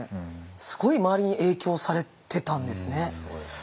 すごい周りに影響されてたんですね。